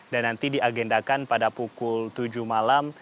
dan nanti diagendakan pada pukul tujuh malam